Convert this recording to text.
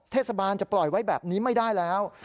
เทศบาลจะปล่อยไว้แบบนี้ไม่ได้แล้ว